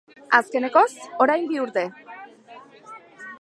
Azkenekoz, orain bi urte.